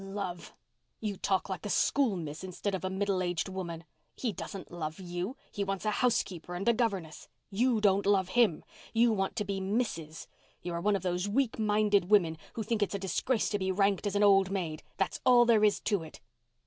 "Love! You talk like a school miss instead of a middle aged woman. He doesn't love you. He wants a housekeeper and a governess. You don't love him. You want to be 'Mrs.'—you are one of those weak minded women who think it's a disgrace to be ranked as an old maid. That's all there is to it."